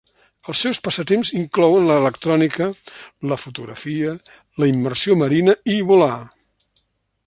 Els seus passatemps inclouen l'electrònica, la fotografia, la immersió marina i volar.